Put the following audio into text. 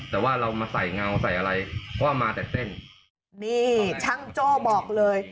แต่ว่าเรามาใส่เงาใส่อะไรเพราะว่ามาแต่เส้นนี่ช่างโจ้บอกเลย